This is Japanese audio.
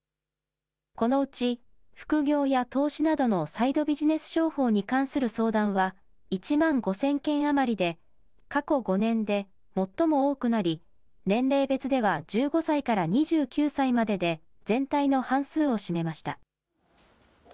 このうち副業や投資などのサイドビジネス商法に関する相談は１万５０００件余りで、過去５年で最も多くなり、年齢別では１５歳から２９歳までで全体の半数を占めました。